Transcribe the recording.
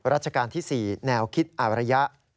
ราชการที่๔แนวคิดอารยะ